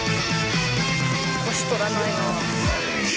年取らないな。